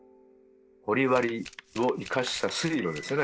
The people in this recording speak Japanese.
掘割を生かした水路ですね。